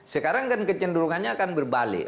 sekarang kan kecenderungannya akan berbalik